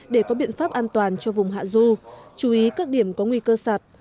để có biện pháp an toàn cho vùng hạ du chú ý các điểm có nguy cơ sạt